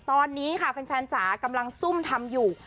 ตอนนี้ค่ะแฟนจ๋ากำลังซุ่มทำอยู่